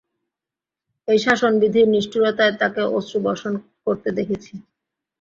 এই শাসনবিধির নিষ্ঠুরতায় তাঁকে অশ্রু বর্ষণ করতে দেখেছি।